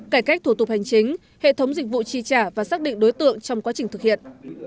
cải cách thủ tục hành chính hệ thống dịch vụ tri trả và xác định đối tượng trong quá trình thực hiện